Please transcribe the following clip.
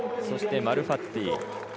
そしてマルファッティ。